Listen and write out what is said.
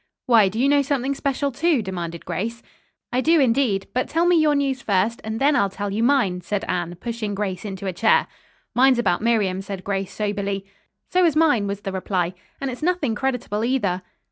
"Why, do you know something special, too?" demanded Grace. "I do, indeed. But tell me your news first, and then I'll tell you mine," said Anne, pushing Grace into a chair. "Mine's about Miriam," said Grace soberly. "So is mine," was the reply, "and it's nothing creditable, either."